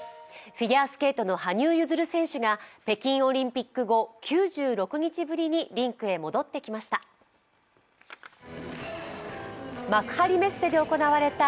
フィギュアスケートの羽生結弦選手が北京オリンピック後、９６日ぶりにリンクへ戻ってきました。